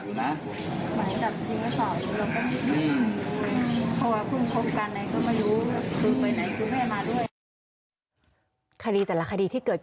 เมื่อวานแบงค์อยู่ไหนเมื่อวาน